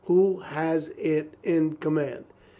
Who has it in command?"